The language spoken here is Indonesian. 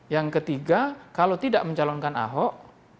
yang ketiga kalau tidak mencalonkan ahok